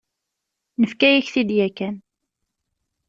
Nefka-yak-t-id yakan.